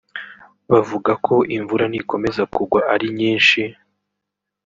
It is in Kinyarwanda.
bavuga ko imvura nikomeza kugwa ari nyinshi